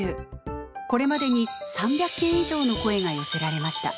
これまでに３００件以上の声が寄せられました。